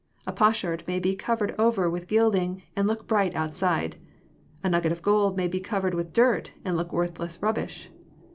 \ A potsherd may be covered over with gilding, and look bright outside. A nugget of gold may be covered with dirt, and look worthless rubbish.